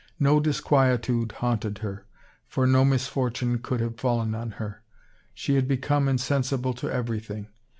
No disquietude haunted her, for no misfortune could have fallen on her. She had become insensible to everything.